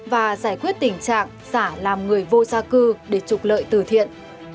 và giải quyết tình trạng giả làm người vô gia cư để trục lợi từ thiện